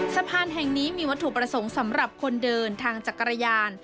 สะพานแห่งนี้มีวัตถุประสงค์สำหรับคนเดินทางจักรยาน